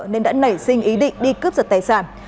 nên đã nảy sinh ý định đi cướp giật tài sản